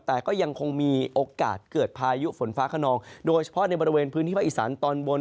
แต่ก็ยังคงมีโอกาสเกิดพายุฝนฟ้าขนองโดยเฉพาะในบริเวณพื้นที่ภาคอีสานตอนบน